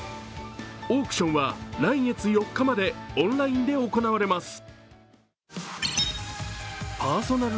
オークションは来月４日までオンラインで行われます。